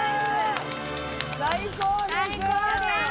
最高です。